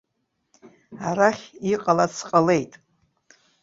Арахь иҟалац ҟалеит.